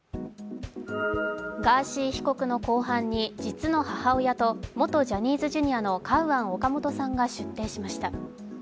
ガーシー被告の公判に実の母親と元ジャニーズＪｒ．のカウアン・オカモトさんが出廷しました。